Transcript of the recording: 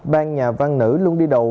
ban nhà văn nữ luôn đi đầu